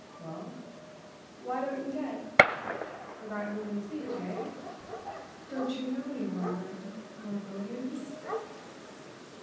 "Well? Why don't you get? Forgot human speech, eh? Don't you know any longer what a boat is?"